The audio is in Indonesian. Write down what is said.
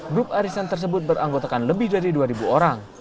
grup arisan tersebut beranggotakan lebih dari dua orang